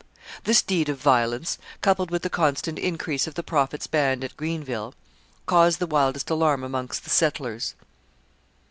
This deed of violence, coupled with the constant increase of the Prophet's band at Greenville, caused the wildest alarm among the settlers.